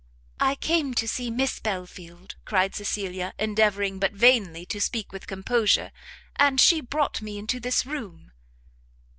"I came to see Miss Belfield," cried Cecilia, endeavouring, but vainly, to speak with composure, "and she brought me into this room."